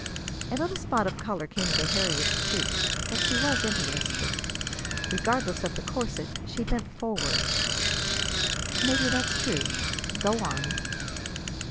A little spot of color came into Harriet's cheek. But she was interested. Regardless of the corset, she bent forward. "Maybe that's true. Go on."